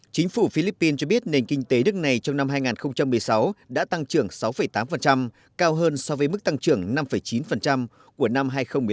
chính phủ philippines cho biết nền kinh tế đức này trong năm hai nghìn một mươi sáu đã tăng trưởng sáu tám cao hơn so với mức tăng trưởng năm chín của năm hai nghìn một mươi tám